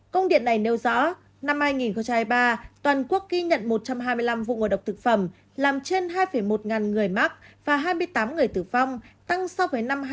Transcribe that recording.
công điện này nêu rõ năm hai nghìn hai mươi ba toàn quốc ghi nhận một trăm hai mươi năm vụ ngộ độc thực phẩm làm trên hai một người mắc và hai mươi tám người tử vong tăng so với năm hai nghìn hai